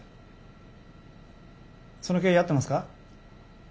その経緯は合ってますか？